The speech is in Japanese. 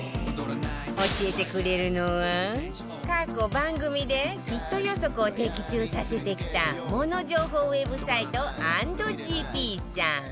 教えてくれるのは過去番組でヒット予測を的中させてきたモノ情報 Ｗｅｂ サイト『＆ＧＰ』さん